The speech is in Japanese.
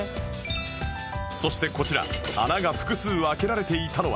そしてこちら穴が複数開けられていたのは